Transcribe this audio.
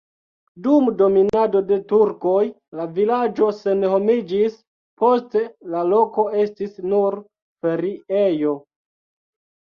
Dum dominado de turkoj la vilaĝo senhomiĝis, poste la loko estis nur feriejo.